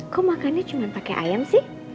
kok makannya cuma pakai ayam sih